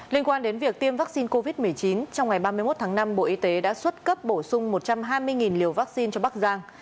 liên quan đến việc tiêm vaccine covid một mươi chín trong ngày ba mươi một tháng năm bộ y tế đã xuất cấp bổ sung một trăm hai mươi liều vaccine cho bắc giang